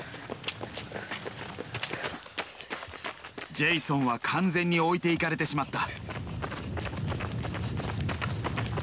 ジェイソンは完全に置いていかれてしまった。